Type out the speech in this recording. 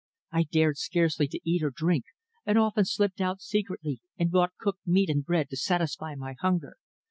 I dared scarcely to eat or drink, and often slipped out secretly and bought cooked meat and bread to satisfy my hunger.